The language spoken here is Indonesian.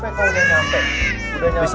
semuanya selamat datang di villa el nino prasetya